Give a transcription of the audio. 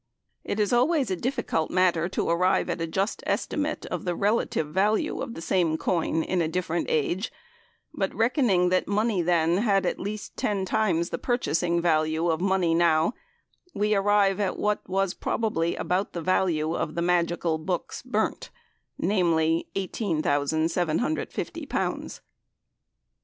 It is always a difficult matter to arrive at a just estimate of the relative value of the same coin in different ages; but reckoning that money then had at least ten times the purchasing value of money now, we arrive at what was probably about the value of the magical books burnt, viz.: L18,750.